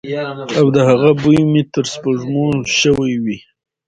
او د هغه بوی مې تر سپوږمو شوی وی.